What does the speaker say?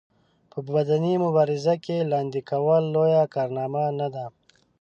په بدني مبارزه کې لاندې کول لويه کارنامه نه ده.